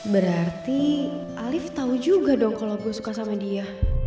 berarti alif tahu juga dong kalau gue suka sama dia